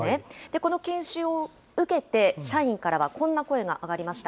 この研修を受けて社員からは、こんな声が上がりました。